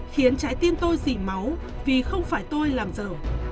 khiến trái tim tôi dì máu vì không phải tôi làm dở